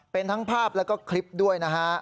เป็นทั้งภาพแล้วก็คลิปด้วยนะฮะ